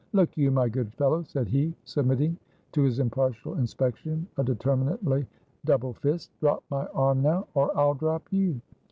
"Look you, my good fellow," said he, submitting to his impartial inspection a determinately double fist, "drop my arm now or I'll drop you.